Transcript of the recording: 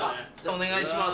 お願いします。